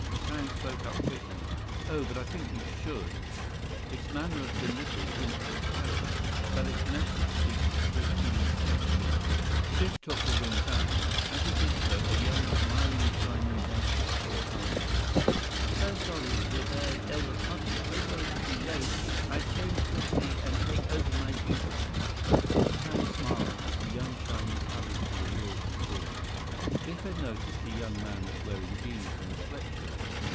17 Tang spoke up quickly. "Oh, but I think you should. Its manner of delivery hints of peril. But its message speaks of fortune and safety." Biff took the ring back. As he did so, a young, smiling Chinese entered the store hurriedly. "So sorry, revered elder cousin, so sorry to be late. I change quickly and take over my duties." Tang smiled as the young Chinese hurried to the rear of the store. Biff had noticed the young man was wearing jeans and a sweat shirt.